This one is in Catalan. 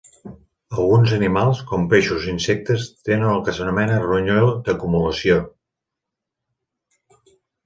Alguns animals, com peixos i insectes, tenen el que s'anomena ronyó d'acumulació.